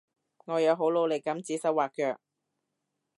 我有好努力噉指手劃腳